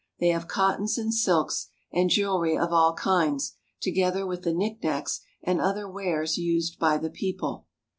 They have cottons and silks, and jewelry of all kinds, together with the knickknacks and other wares used by the people.